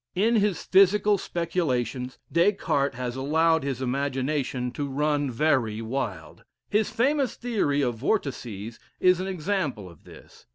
In his physical speculations, Des Cartes has allowed his imagination to run very wild. His famous theory of vortices is an example of this.